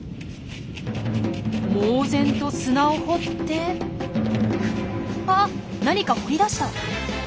猛然と砂を掘ってあっ何か掘り出した！